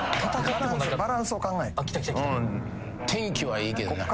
天気はいいけどな。